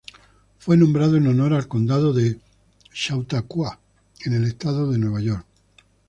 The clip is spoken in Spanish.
Fue nombrado en honor al condado de Chautauqua en el estado de Nueva York.